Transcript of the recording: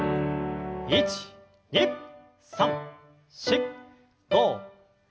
１２３４５６７８。